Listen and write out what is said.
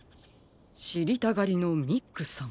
しりたがりのミックさん。